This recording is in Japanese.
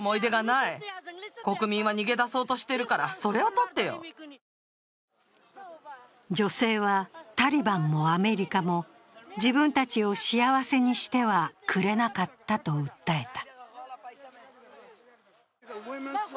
突然、カメラに向かって女性は、タリバンも、アメリカも自分たちを幸せにしてはくれなかったと訴えた。